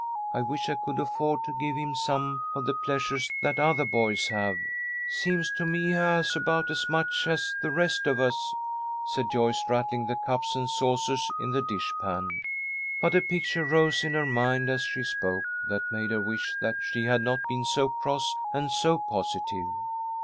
"I wish I could afford to give him some of the pleasures that other boys have." "Seems to me he has about as much as the rest of us," said Joyce, rattling the cups and saucers in the dish pan. But a picture rose in her mind as she spoke, that made her wish that she had not been so cross and so positive.